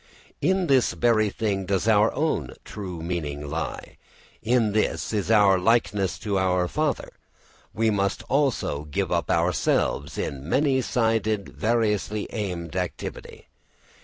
In this very thing does our own true meaning lie, in this is our likeness to our father. We must also give up ourselves in many sided variously aimed activity.